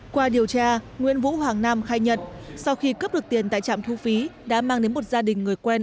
qua điều tra nguyễn vũ hoàng nam khai nhận sau khi cướp được tiền tại trạm thu phí đã mang đến một gia đình người quen